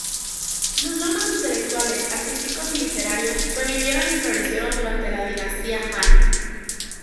Los logros intelectuales, artísticos y literarios revivieron y florecieron durante la dinastía Han.